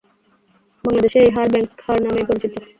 বাংলাদেশে এই হার ব্যাংক হার নামেই পরিচিত।